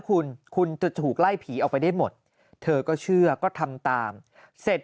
คุณคุณจะถูกไล่ผีออกไปได้หมดเธอก็เชื่อก็ทำตามเสร็จ